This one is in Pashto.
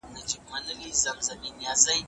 زموږ څېړنه له نړیوال څېړندود سره برابره ده.